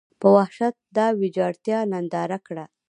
په وحشت دا ویجاړتیا ننداره کړه.